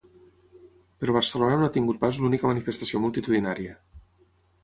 Però Barcelona no ha tingut pas l’única manifestació multitudinària.